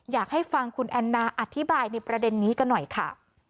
อยากให้ฟังคุณแอนนาอธิบายในประเด็นนี้กันหน่อยค่ะ